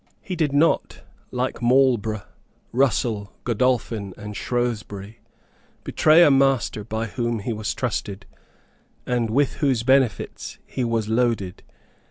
He did not, like Marlborough, Russell, Godolphin and Shrewsbury, betray a master by whom he was trusted, and with whose benefits he was loaded.